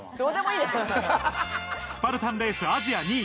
スパルタンレースアジア２位。